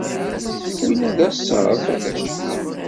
Winna d asaḍ.